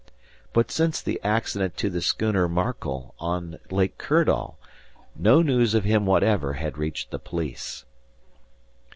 But since the accident to the schooner "Markel" on Lake Kirdall, no news of him whatever had reached the police.